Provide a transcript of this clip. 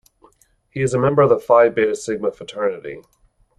He is a member of the Phi Beta Sigma fraternity.